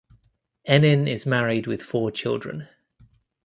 Ennin is married with four children.